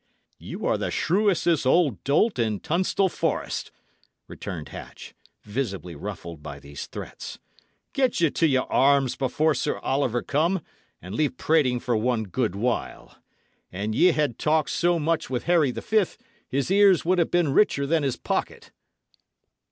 "Y' are the shrewishest old dolt in Tunstall Forest," returned Hatch, visibly ruffled by these threats. "Get ye to your arms before Sir Oliver come, and leave prating for one good while. An ye had talked so much with Harry the Fift, his ears would ha' been richer than his pocket."